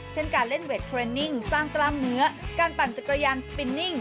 เช่นการเล่นเวทเทรนนิ่งสร้างกล้ามเนื้อการปั่นจักรยานสปินนิ่ง